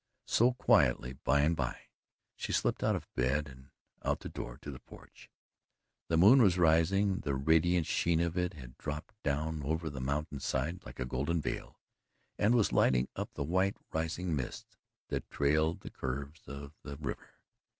So, quietly, by and by, she slipped out of bed and out the door to the porch. The moon was rising and the radiant sheen of it had dropped down over the mountain side like a golden veil and was lighting up the white rising mists that trailed the curves of the river.